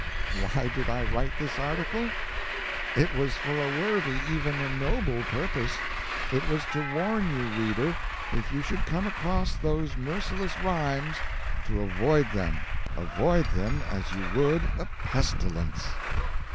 Why did I write this article? It was for a worthy, even a noble, purpose. It was to warn you, reader, if you should came across those merciless rhymes, to avoid them avoid them as you would a pestilence!